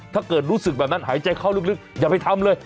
ถ้าเกิดรู้สึกแบบนั้นหายใจเข้าลึกอย่าไปทำเลย